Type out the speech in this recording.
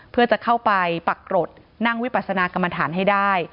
เพื่อจะเข้าไปปักกรดนั่งวิปัสนากรรมฐานให้ได้